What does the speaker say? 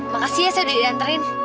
makasih ya saya udah diantarin